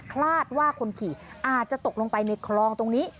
คาดว่าคนขี่อาจจะตกลงไปในคลองตรงนี้